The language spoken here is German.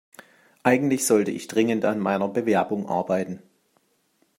Eigentlich sollte ich dringend an meiner Bewerbung arbeiten.